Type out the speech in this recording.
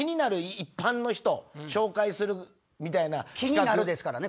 「気になる」ですからね